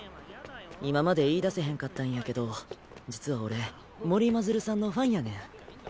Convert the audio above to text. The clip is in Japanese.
今まで言いだせへんかったんやけど実は俺森真鶴さんのファンやねん。